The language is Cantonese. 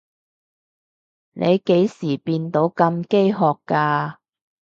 你幾時變到咁飢渴㗎？